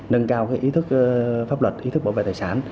nâng cao ý thức pháp luật ý thức bảo vệ tài sản